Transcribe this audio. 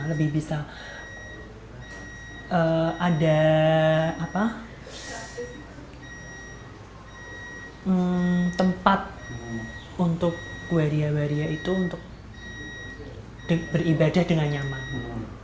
lebih bisa ada tempat untuk guaria waria itu untuk beribadah dengan nyaman